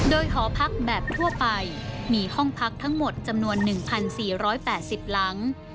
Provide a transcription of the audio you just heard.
โดยหอพักแบบทั่วไปมีห้องพักทั้งหมดจำนวน๑๔๘๐หลัง